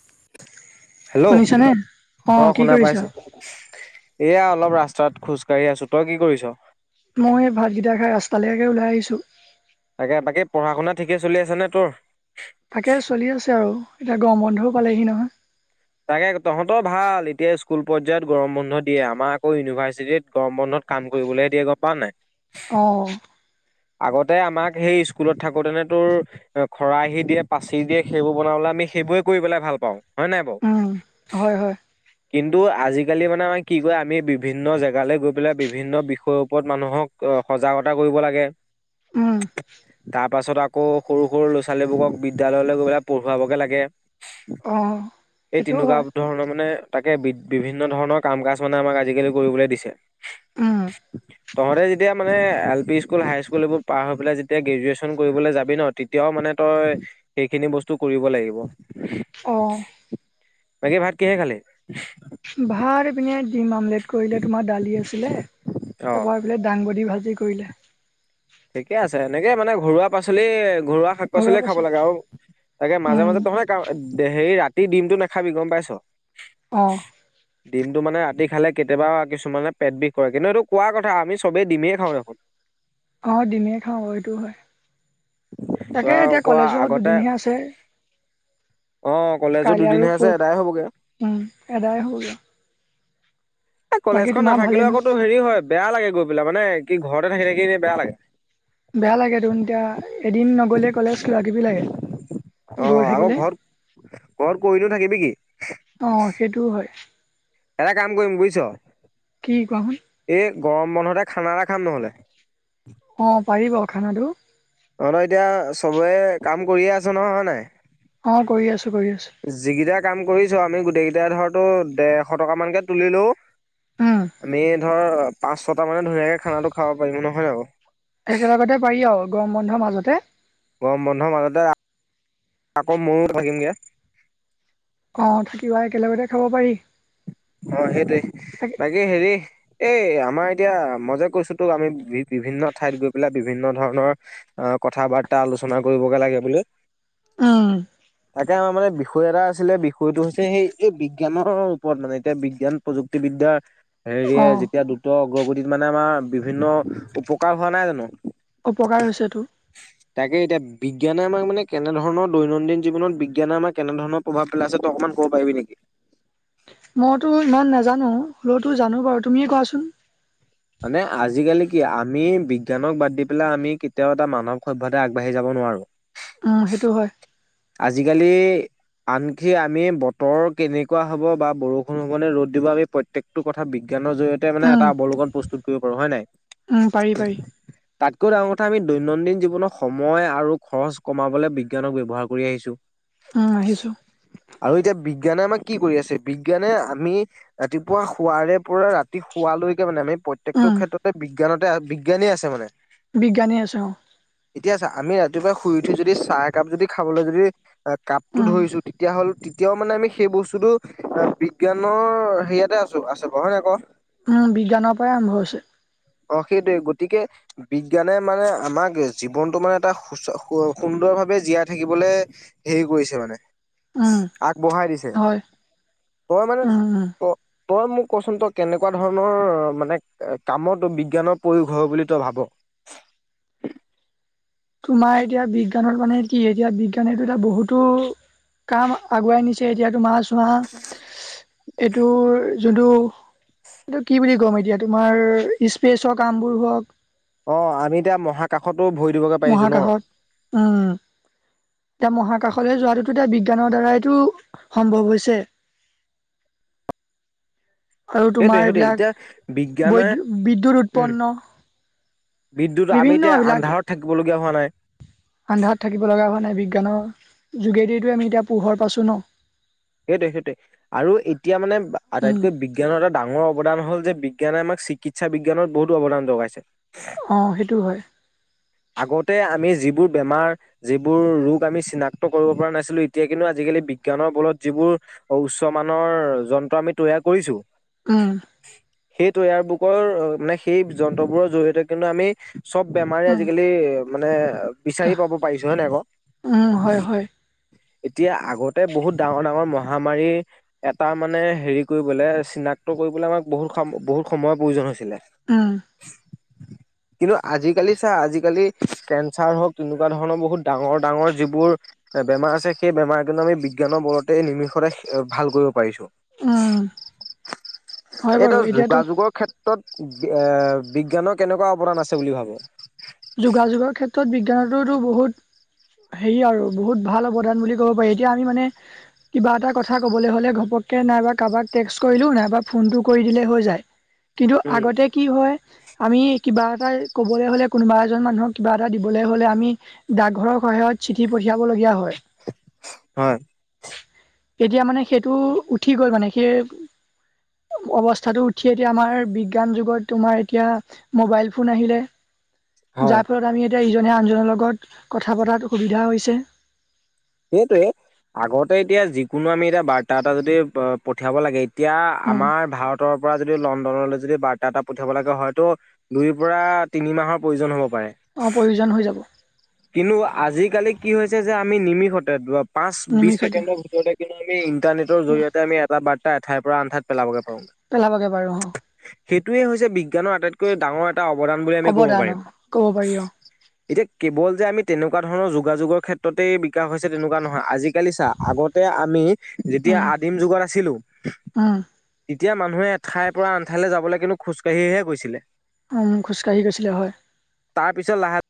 [inaudible] Hello! শুনিছানে? অ কি শুনা কৰিছা? পাইছো। এয়া অলপ ৰাচ তাত খোজ কাঢ়ি আছো। তই কি কৰিছ? মই এই ভাতকেইটা খাই ৰাস্তালৈকে ওলাই আহিছোঁ। তাকে বাকী পঢ়া -শুনা ঠিকে চলি আছে নে তোৰ? তাকে চলি আছে আৰু এতিয়া গৰম বন্ধও পালেহি নহয়। তাকে তহঁতৰ ভাল এতিয়া স্কুল পৰ্যায়ত গৰম বন্ধ দিয়ে, আমাৰ আকৌ ইউনিভাৰ্চিটিত গৰম বন্ধ কাম কৰিবলৈ দিয়ে গম পাৱ নাই? অ' আগতে আমাক সেই স্কুলত থাকোতে ন তোৰ খৰাহি দিয়ে, পাচি দিয়ে সেইবোৰ বনাবলৈ আমি সেইবোৰে কৰি পেলাই ভাল পাওঁ হয়নে নাই বাৰু? উম, হয় হয় কিন্তু আজিকালি মানে আমাৰ কি কয় আমি বিভিন্ন জেগালৈ গৈ পেলাই বিভিন্ন বিষয়ৰ ওপৰত মানুহক সজাগতা কৰিব লাগে। উম। তাৰ পাছত আকৌ সৰু সৰু ল'ৰা- ছোৱালীবোৰক বিদ্যালয়লৈ গৈ পেলাই পঢ়োৱাবগে লাগে। অহ। এই তেনেকুৱা ধৰণৰ মানে তাকে বি বিভিন্ন ধৰণৰ কাম কাজ মানে আমাক আজিকালি কৰিবলৈ দিছে উম তহঁতে যেতিয়া মানে এলপি স্কুল, হাইস্কুল এইবোৰ পাৰ হৈ পেলাই যেতিয়া গ্ৰেজুৱেচন কৰিবলৈ যাবি, তেতিয়াও মানে মানে তই সেইখিনি বস্তু কৰিব লাগিব অ' বাকী ভাত কিহে খালে। ভাৰ পিনে ডিম আমলেট কৰিলে তোমাৰ দালি আছিলে অ', পাই দাংবডি ভাজি কৰিলে ঠিকে আছে এনেকে মানে ঘৰুৱা পাচলি ঘৰুৱা শাক পাচলিযে খাব লাগে আৰু তাকে মাজে উম, মাজে তহ'লে হে ৰাতি তই ডিমতটো নাখাবি গম পাইছ অ'। ডিমটো মানে ৰাতি খালে কেতিয়াবা কিছুমানে পেট বিষ কৰে কিন্তু এইটো কোৱা কথা আমি চবেই ডিমেই খাওঁ দেখোন। অ দিমেই খাওঁ এইটো হয় তই তাকে এতিয়া আকৌ কলেজৰ আগতে দুদিনহে আছে। অ' কলেজো কাইলৈ আৰু দুদিনহে আছে। পৰহি আদায় হ'বগে। উম, এদাই হ'বগৈ। এ বাকী কলেজখন তোমাৰ ভালেই নাথাকিলেও ন? আকৌ হেৰি হয় বেয়া লাগে গৈ পেলাই মানে। কি ঘৰতে থাকি থাকি এনে বেয়া লাগে? বেয়া লাগে তোন এতিয়া এদিন নগলে কলেজ কোৱা কিবি লাগে। অ গৈ আকৌ থাকিলে ঘৰত ঘৰত কৰি ন থাকিবি কি অ সেইটোও হয় এটা কাম কৰিম বুজিছ! কি কোন এই গৰম বন্ধতে খানা এটা খাম নহ'লে অ' পাৰি বাৰু খানাটো। অ নহয় এতিয়া চবে কাম কৰিয়ে আছো নহয় হয় নাই অ কৰি আছো কৰি আছো যিকেইটা কাম কৰিছো আমি, গোটেইকেইটাই ধৰ তোৰ দেৰশ টকা মানকে তুলিলো। আমি ধৰ পাঁচ-ছটা মানে ধুনীয়াকে খানাটো খাব পাৰিম নহয় নে বাৰু? একেলগতে পাৰি আৰু গৰম বন্ধৰ মাজতে কম বন্ধৰ মাজতে আকৌ মও থাকিম গে অ থাকিবা একেলগেতে খাব পাৰি অ সেইটেই তাকে বাকী হেৰি এই আমাৰ এতিয়া মজে কৈছো তো আমি বি বিভিন্ন ঠাইত গৈ পেলাই বিভিন্ন ধৰণৰ অ কথা বাৰ্তা আলোচনা কৰিবগে লাগে বুলি অ এতিয়া আমাৰ মানে বিষয় এটা আছিলে বিষয়টো হৈছে সেই এই বিজ্ঞানৰ ওপৰত মানে বিজ্ঞান প্ৰযুক্তি বিদ্যাৰ হেৰিয়ে অঁ যেতিয়া দ্ৰুত উ্ৰগতিত মানে আমাৰ বিভিন্ন উপকাৰ হোৱা নাই জানো উপকাৰ হৈছেতো তাকে এতিয়া বিজ্ঞান আমাক মানে কেনেধৰনৰ দৈনন্দিন জীৱনত বিজ্ঞানে আমাক কেনেধৰণৰ প্ৰভাৱ পেলাইছে ত অকণমান'ব পাৰি নেকি মইতো ইমান নাজানো। হ'লেওতো জানো বাৰু তুমিয়ে কোৱাচোন? মানে আজিকালি কি আমি বিজ্ঞানক বাদ দি পেলাই আমি কেতিয়াও এটা মানৱ সভ্যতা আগবাঢ়ি যাব নোৱাৰো উম সেইটো হয় আজিকালি আনকি আমি বতৰ কেনেকুৱা হ'ব বা বৰষুণ হবে ৰ'দ দিব আমি প্ৰত্যেকটো কথা বিজ্ঞান জ্ঞানৰ জৰিয়তে মানে উম এটা অৱলকন প্ৰস্তুত কৰিব পাৰো হয় নাই। উম পাৰি পাৰি তথা আমি দৈনন্দিন জীৱনত সময় আৰু খৰচ কমাবলৈ বিজ্ঞানক ব্যবহাৰ কৰি আহিছো। উম আহিছো। আৰু এতিয়া বিজ্ঞানে আমাক কি কৰি আছে, বিজ্ঞানে আমি ৰাতিপুৱা শুৱাৰে পৰা ৰাতি শুৱালৈকে মানে আমি প্ৰত্যেকটো ক্ষেত্ৰতে বিজ্ঞানতে বিজ্ঞানেই আছে মানে। বিজ্ঞানে আছে অ। ৰাতিপোৱা শুই উঠি যদি চাহ একাপ যদি খাবলৈ যদি কাপটো ধৰিছো, তেতিয়া হ'ল তেতিয়াও মানে আমি সেই বস্তুটো বিজ্ঞানৰ সেয়াতে আছো আছে ব হয় নাই ক? উম বিজ্ঞানৰ পৰাই আৰম্ভ হৈছে। অ সেইটোৱে গতিকে বিজ্ঞানে মানে আমাক জীৱনটো মানে এটা সুচ সুন্দৰ ভাৱে জীয়াই থাকিবলৈ হেৰি কৰিছে মানে, উম আগবঢ়াই দিছে। হয় তই মানে উম উম ত তই মোক কচোন তই কেনেকুৱা ধৰণৰ মানে কামত বিজ্ঞানৰ প্ৰয়োগ হয় বুলি তই ভাব? তোমাৰ এতিয়া বিজ্ঞানৰ মানে কি এতিয়া বিজ্ঞানটো এটা বহুতো কাম আগুৱাই নিছে। এতিয়াতো চোৱা এইটো যোনটো এইটো কি বুলি ক'ম এতিয়া তোমাৰ স্পেচৰ কামবোৰ হওঁক অ আমি এতিয়া মহাকাশত মহাকাশত, উম। এতিয়া মহাকাশলৈ যোৱাটোতো এতিয়া বিজ্ঞানৰ দ্বাৰাইটো সম্ভৱ হৈছে। [inaudible] আৰু সেইটো তোমাৰ সেইটোৱেই। এইবিলাক এতিয়া বিজ্ঞানে বৈদ বিদ্যুৎ উম। উৎপন্ন বিদ্যুত আমি বিভিন্ন এতিয়া এইবিলাক আন্ধাৰত থাকিবলগীয়া হোৱা নাই আন্ধাৰত থাকিব লগা হোৱা নাই, বিজ্ঞানৰ যোগেদিতো আমি এতিয়া পোহৰ পাইছো ন। সেইটোয়ে সেইটোৱে। আৰু এতিয়া মানে উম আটাইতকৈ বিজ্ঞানৰ এটা ডাঙৰ অৱদান হ'ল যে বি বিজ্ঞানে আমাক চিকিৎসা বিজ্ঞানত বহুত অৱদান যগাইছে। অ সেইটো হয় আগতে আমি যি বোৰ বেমাৰ যিবোৰ ৰোগ আমি চিনাক্ত কৰিব পৰা নাছিলো, এতিয়া কিন্তু আজিকালি বিজ্ঞানৰ বলত যিবোৰ উচ্চ মানৰ যন্ত্ৰ আমি তৈয়াৰ কৰিছো উম। সেইটো এয়াৰ বুকৰ মানে সেই যন্ত্ৰবোৰৰ জৰিয়তে কিন্তু আমি চব বেমাৰে আজিকালি মানে উম বিচাৰি পাব পাৰিছো হয় নাই আকৌ। উম হয় হয়। এতিয়া আগতে বহুত ডাঙৰ -ডাঙৰ মহামাৰী এটা মানে হেৰি কৰিবলৈ চিনাক্ত কৰিবলৈ আমাক বহুত খা বহুত- সময়ৰ প্ৰয়োজন হৈছিলে। উম। [inaudible] কিন্তু আজিকালি চা, আজিকালি কেঞ্চাৰ হওঁক তেনেকুৱা ধৰণৰ বহুত ডাঙৰ- ডাঙৰ যিবোৰ বেমাৰ আছে। সেই বেমাৰ কিন্তু আমি বিজ্ঞানৰ বলতে নিমিষতে ভাল কৰিব পাৰিছো। উম, হয় এইটো বাৰু এতিয়াতো যোগাযোগৰ ক্ষেত্ৰত এ বিজ্ঞানৰ কেনেকুৱা অৱদান আছে বুলি ভাবে? যোগাযোগৰ ক্ষেত্ৰত বিজ্ঞানতোতো বহুত। হেৰি আৰু বহুত ভাল অৱদান বুলি ক'ব পাৰি। এতিয়া আমি মানে কিবা এটা কথা কবলৈ হ'লে ঘপ- নাইবা কাৰোবাক টেক্স কৰিলো, নাইবা ফোনটো কৰি দিলে হৈ যায়। কিন্তু উম আগতে কি হয় আমি কিবা এটা ক'বলৈ হ'লে। কোনোবা এজন মানুহক কিবা এটা দিবলৈ হ'লে আমি ডাকঘৰৰ সহায়ত চিঠি পঢি- দিয়াবলগীয়া হয়। হয় এতিয়া মানে সেইটো উঠি গ'ল মানে। সেই অৱস্থাটো উঠি এতিয়া আমাৰ বিজ্ঞান যুগত তোমাৰ এতিয়া মোবাইল ফোন আহিলে। হয়। যাৰ ফলত আমি এতিয়া ইজনে আনজনৰ লগত কথা পতাত সুবিধা হৈছে। সেইটোয়ে। আগতে এতিয়া যিকোনো আমি এতিয়া বাৰ্তা এটা যদি পঠিয়াব লাগে। এতিয়া উম আমাৰ ভাৰতৰ পৰা যদি লণ্ডনলৈ যদি বাৰ্তা এটা পঠিয়াব লাগে হয়, ত দুইৰ পৰা তিনি মাহৰ প্ৰয়োজন হ'ব। পাৰে। অ', প্ৰয়োজন হৈ যাব। কিন্তু আজিকালি কি হৈছে যে আমি নিমিষতে পাঁচ বিশ নিমিষতে ছেকেণ্ডৰ ভিতৰতে কিন্তু আমি ইণ্টাৰনেটৰ জৰিয়তে আমি এটা বাৰ্তা এঠাইৰ পৰা আনঠাইত পেলাব গে প পেলাবাগে বাৰু অ'। সেইটোৱে হৈছে বিজ্ঞানৰ আটাইতকৈ ডাঙৰ এটা অৱদান বুলি আমি কব অৱদান অ পাৰিম। ক'ব পাৰি অ এতিয়া কেৱল যে আমি তেনেকুৱা ধৰণৰ যোগাযোগৰ ক্ষেত্ৰতেই বিকাশ হৈছে তেনেকুৱা নহয়, আজি কেলিছা আগতে আমি যেতিয়া উম আদিম যুগত আছিলো উম এতিয়া মানুহে এঠাইৰ পৰা আনঠাইলৈ যাবলৈ কিন্তু খোজকাঢ়িহে গৈছিলে। উম', খোজ কাঢ়ি গৈছিলে হয়। তাৰপিছত লাহে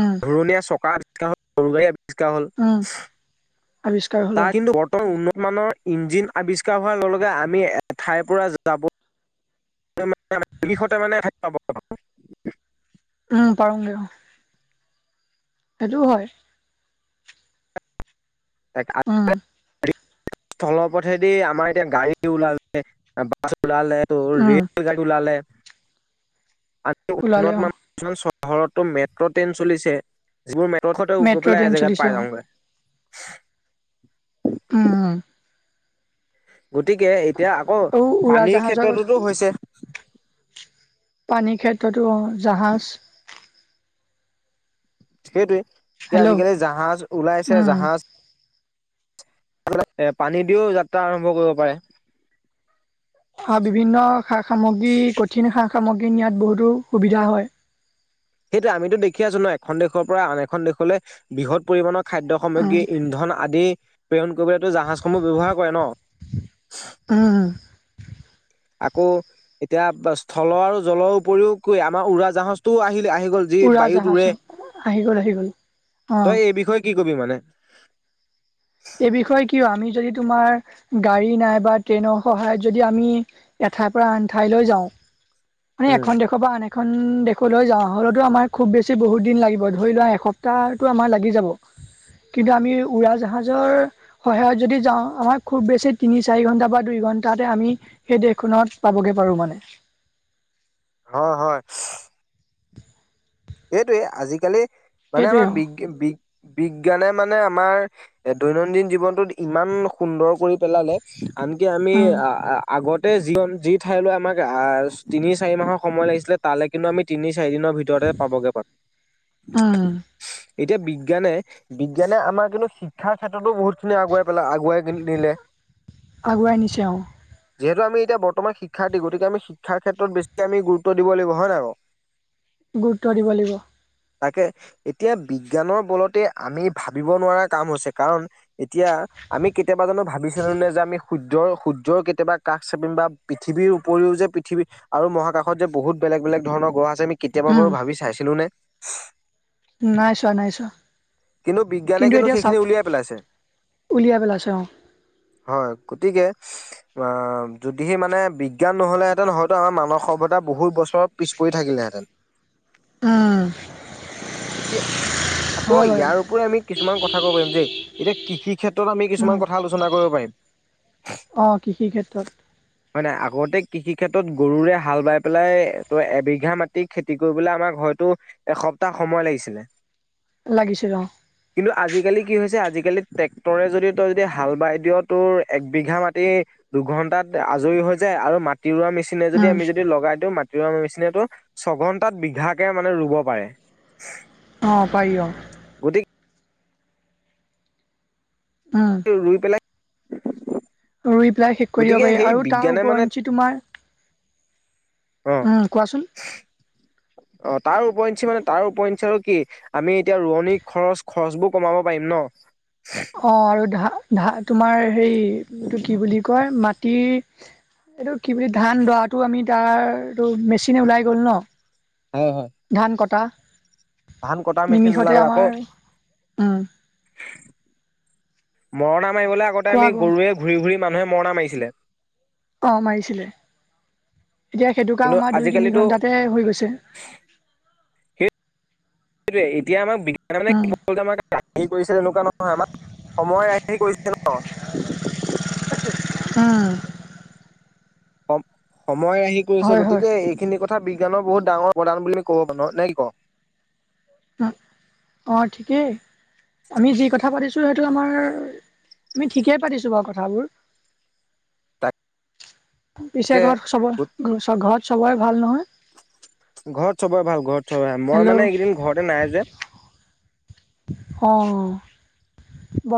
উম ঘোৰণীয়া চকা আৱিষ্কাৰ হল, সৰু গাড়ী আৱিষ্কাৰ [unintelligible] হ'ল। উম আৱিষ্কাৰ হল অ কিন্ত বৰ্তমান উন্নত। মানৰ ইঞ্জিন আৱিষ্কাৰ হোৱাৰ লগে-লগে আমি এঠাইৰ পৰা যাব। বিষতে মানে থ [inaudible] উম হেতু হয়। উম। স্থলৰ পথেদি আমাৰ এতিয়া গাড়ী ওলালে, বা উলালে উম ৰেল গাডী উওলালে। আজ ওলালে উন্নত [unintelligible] অ মানমান চহৰতো মেট্ৰ' ট্ৰেইন চলিছে, যিবোৰ [unintelligible] গৈ মেট্ৰ' পেলাই ট্ৰেইন এ জেগাত চলিছে পাই অ যাওঁগৈ। উম'। গতিকে এতিয়া আকৌ অ পানীৰ উৰাজাহাজৰ কথা ক্ষেত্ৰতোতো হৈছে। পানীৰ ক্ষেত্ৰতো অ', জাহাজ। সেইটোয়ে এতিয়া হেল্ল' আজিকালি জাহাজ ওলাইছে উম জাহাজ এ পানী দিও যাত্ৰা আৰম্ভ কৰিব পাৰে। আৰু বিভিন্ন সা-সামগ্ৰী, কঠিন সা-সামগ্ৰী নিয়াত বহুতো সুবিধা হয়। সেইটোয়ে আমিতো দেখি আছো ন, এখন দেশৰ পৰা আন এখন দেশলে বৃহৎ পৰিমণত খাদ্যয় উম সামগ্ৰী, ইন্ধন, আদি প্ৰেৰণ কৰিবলৈাতো জাহাজসমূহ ব্ৱহাৰ কৰে ন? উম। আকৌ এতিয়া স্থল আৰু জলৰ উপৰিও কি আমাৰ উৰা জাহাজটোও আহিলে। আহ গল যি উৰা বায়ুত জাহাজ উৰে, আহি গ'ল আহি গ'ল অ', তই এই বিষয়ে কি কবি মানে। এই বিষয়ে কিয় আমি যদি তোমাৰ গাড়ী নাই বা ট্ৰেইনৰ সহায়ত যদি আমি এঠাইৰ পৰা আন ঠাইলৈ যাওঁ। মানে উম এখন দেখৰ পৰা অনে খন দেশলৈ যাওঁ হ'লেতো আমাৰ খুব বেছি বহুত দিন লাগিব ধৰি লোৱা এসপ্তাহো আমাৰ লাগি যাব। কিন্তু আমি উৰা জাহাজ সহায়ত যদি যাওঁ, আমাৰ খুব বেছি তিনি চাৰি ঘন্টা বা দুই ঘন্টাতে আমি সেই দেশ ত পাবগে পাৰো মানে। হয়-হয়। সেইটোৱে আজিকালি মানে সেইটোৱে আমাৰ অ', বি্-বি বিজ্ঞানে মানে আমাৰ দৈনন্দিন জীৱনটোত ইমান সুন্দৰ কৰি পেলালে। আনকি আমি উম, আ-আ-আগত যি-যি ঠাইলৈ আমাক আহ তিনি চাৰি মাহৰ সময় লাগিছিলে তালৈ কিন্তু আমি তিনি চাৰি দিনৰ ভিতৰতে পাবগে পাৰো। উম, এতিয়া বিজ্ঞানে-বিজ্ঞানে আমাৰ কিন্তু শিক্ষাৰ ক্ষেত্ৰতো বহুত খিনি আগুৱাই পেলাই আগুৱাই নিলে আগুৱাই নিছে অ'। যিহেতু আমি এতিয়া বৰ্তমান শিক্ষাৰ্থী গতিকে আমি শিক্ষাৰ ক্ষেত্ৰত বেছি আমি গুৰুত্ব দিব লাগিব হয় ন বাৰু? গুৰুত্ব দিব লাগিব। তাকে এতিয়া বিজ্ঞানৰ বলতে আমি ভাবিব নোৱাৰা কাম হৈছে। কাৰণ, এতিয়া আমি কেতিয়াবা জনো ভাবিছিলো নে যে, আমি সূৰ্যৰ সূৰ্যৰ কেতিয়াবা কাষ চাপিম বা পৃথিৱীৰ উপৰিও পৃথিৱী মহাকাশত যে বহুত বেলেগ বেলেগ ধৰণৰ ঘৰ আমি কেতিয়াবা উম, বাৰো ছিলো নে? নাই চোৱা নাই চোৱা। কিন্তু বিজ্ঞানে কিন্তু এতিয়া চাওক সেইখিনি উলিয়াই পেলাইছে। উলিয়াই পেলাইছে অ হয়, গতিকে অ, যদিহে মানে বিজ্ঞান নহলেহেঁতেন হয়তো আমাৰ মানৱ সভ্যতা বহুত বছৰ পিছ পৰি থাকিলেহেঁতেন। [inaudible] আহ। এতিয়া আকৌ ইয়াৰ উপৰিও আমি কিছুমান কথা ক'ব পাৰিম যে, এতিয়া কৃষি ক্ষেত্ৰ ত আমি উম কিছুমান কথা আলোচনা কৰিব পাৰিম। অ', কৃষি ক্ষেত্ৰত। হয় নাই আগতে কৃষি ক্ষেত্ৰত গৰুৰে হাল বাই পেলাই ত এবিঘা মাটি খেতি কৰিবলে আমাক হয়তো এ সপ্তাহ সময় লাগিছিল। লাগিছে অ কিন্তু আজিকালি কি হৈছে আজিকালি আজিকালি ট্ৰেক্টৰে যদি তই যদি হাল বাই দিয় তোৰ একবিঘা মাটি দুঘন্টাত আজৰি হৈ যায়, আৰু মাটি ৰোৱা মেচিনে যদি উম আমি যদি লগাই দিওঁ মাটি নিচিনাটো ছঘন্টাত বিঘাকে মানে ৰুব পাৰে। অ' পাৰি অ'। গতিকে, উম ৰুই পেলাই ৰুই পেলাই শেষ কৰিব গতিকে পাৰি, সেই আৰু তাৰ বিজ্ঞানে মানে উপওৰিঞ্চি তোমাৰ অ উম, কোৱাচোন? অ তাৰ উপৰিঞ্চি মানে তাৰ উপৰিঞ্চি আৰু কি আমি এতিয়া ৰোৱনী খৰচ খৰচবোৰ কমাব পাৰিম ন? অ, আৰু ধা ধা তোমাৰ হেৰি এইটো কি বুলি কয়, মাত এইটো কি বুলি ধান লৰাটো আমি তাৰ এইটো মেচিনে ওলাই গ'ল ন? ধান কটা। ধান-কটা মেচিন নিমিষতে ওলাল আকৌ। আমাৰ উম মৰণা মাৰিবলৈ আগতে কোৱা আমি ক গৰুৱে ঘূৰি-ঘূৰি মানুহে মৰণা মাৰিছিলে। অ, মাৰিছিলে। এতিয়া সেইটো কিন্তু কাম আমাৰ দুই তিনি আজিকালিতো ঘন্টাতে হৈ গৈছে। সেইটোৱে এতিয়া আমাক বিজ্ঞানে উম কি আ কৰিছিল এনেকুৱা নহয় আমাক সময় আহে কৰিছে ন? উম সম- সময় আহি কৰিছে হয় হয় গতিকে এইখিনি কথা বিজ্ঞানৰ বহুত ডাঙৰ অবদান বুলি ক'ব পাৰোঁ নে কি ক? অহ, ঠিকেই আমি যি কথা পাতিছো সেইটো আমাৰ আমি ঠিকেই পাতিছো বাৰু কথাবোৰ তাক পিছে ঘৰত চবৰ ঘৰত চবৰে ভাল নহয়? [inaudible] ঘৰত চবৰে ভাল, ঘৰত চবৰে ভাল। মই হেল্ল' মানে এইকেইদিন ঘৰতে নাই যে অহ [unintelligible]